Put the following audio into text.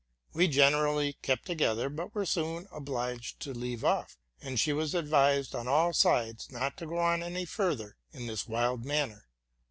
We generally kept together, but were soon obliged to leave off ; and she was acvised on all sides not to go on any farther in this wild manner.